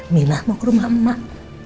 minah mau ke rumah emak